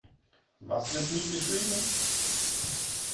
Was wird wie geschrieben?